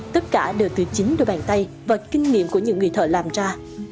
tất cả đều từ chính đôi bàn tay và kinh nghiệm của những người thợ làm ra